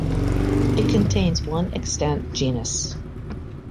It contains one extant genus.